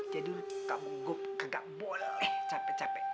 jadi kagak boleh capek capek